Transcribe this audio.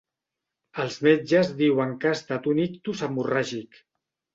Els metges diuen que ha estat un ictus hemorràgic.